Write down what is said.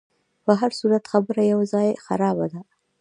په هرصورت خبره یو ځای خرابه ده.